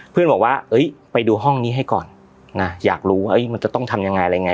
เพื่อนบอกว่าไปดูห้องนี้ให้ก่อนนะอยากรู้ว่ามันจะต้องทำยังไงอะไรไง